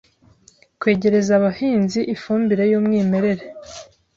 kwegereza abahinzi ifumbire y’umwimerere